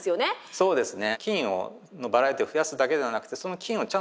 そうですね